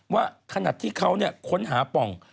ว่าขณะที่เขาเนี่ยค้นหาปล่อง